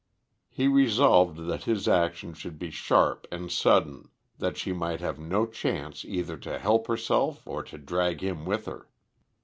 He resolved that his action should be sharp and sudden, that she might have no chance either to help herself or to drag him with her.